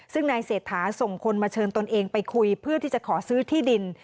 ซึ่งนายเศรษฐาส่งคนมาเชิญตนเองไปคุยเพื่อที่จะขอซื้อที่ดิน